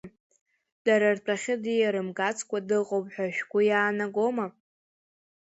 Дара ртәахьы диарымгацкәа дыҟоуп ҳәа шәгәы иаанагома.